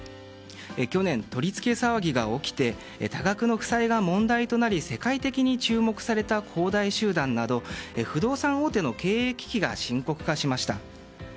去年、取り付け騒ぎが起きて多額の負債が問題となり世界的に注目された恒大集団など、不動産大手の経営危機が深刻化しました。